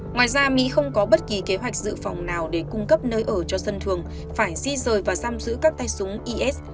ngoài ra mỹ không có bất kỳ kế hoạch dự phòng nào để cung cấp nơi ở cho dân thường phải di rời và giam giữ các tay súng is